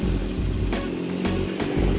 juang berikan salah satu peluang